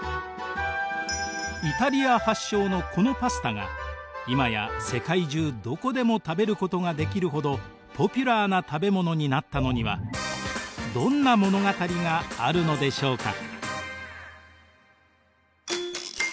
イタリア発祥のこのパスタが今や世界中どこでも食べることができるほどポピュラーな食べ物になったのにはどんな物語があるのでしょうか。